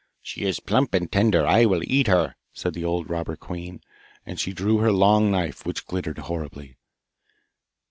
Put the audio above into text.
'She is plump and tender! I will eat her!' said the old robber queen, and she drew her long knife, which glittered horribly.